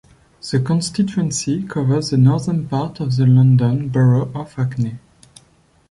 The constituency covers the northern part of the London Borough of Hackney.